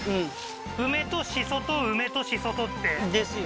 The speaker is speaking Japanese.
梅と紫蘇と梅と紫蘇とってですよ